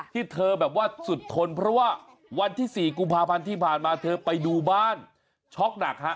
ที่เธอแบบว่าสุดทนเพราะว่าวันที่๔กุมภาพันธ์ที่ผ่านมาเธอไปดูบ้านช็อกหนักฮะ